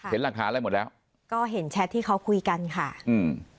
เห็นหลักฐานอะไรหมดแล้วก็เห็นแชทที่เขาคุยกันค่ะอืม